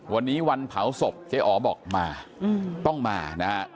วันนี้วันเผาศพเจ๊อ๋อบอกมาต้องมานะฮะ